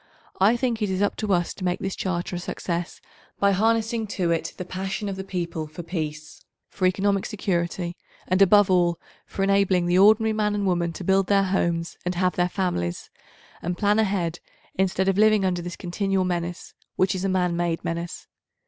I think it is up to us to make this Charter a success by harnessing to it the passion of 872 the people for peace, for economic security, and above all for enabling the ordinary man and woman to build their homes and have their families, and plan ahead instead of living under this continual menace which is a man made menace.